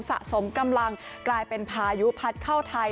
สะสมกำลังกลายเป็นพายุพัดเข้าไทย